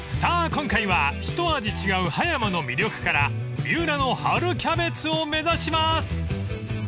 今回はひと味違う葉山の魅力から三浦の春キャベツを目指します］